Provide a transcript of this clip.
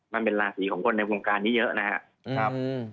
มันเป็นราศีของคนในวงการนี้เยอะนะครับ